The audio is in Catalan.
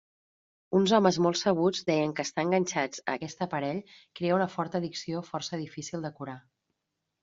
Uns homes molt sabuts deien que estar enganxats a aquest aparell crea una forta addicció força difícil de curar.